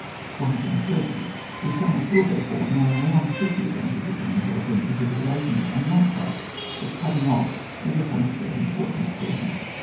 430. The assailant wUl, therefore, now no longer seek the advantages of en veloping if his relations are not such that cutting off is a point of great im portance to him.